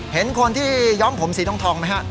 เห็นคนที่ย้อมผมสีทองไหมฮะ